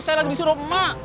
saya lagi disuruh emak